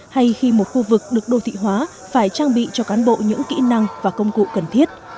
hay khi một khu vực được đô thị hóa phải trang bị cho cán bộ những kỹ năng và công cụ cần thiết